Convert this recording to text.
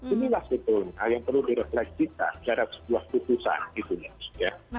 inilah sebetulnya yang perlu direflek kita terhadap sebuah keputusan di dunia